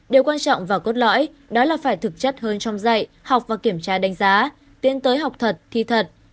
điều quan trọng và cốt lõi đó là phải thực chất hơn trong dạy học và kiểm tra đánh giá tiến tới học thật thi thật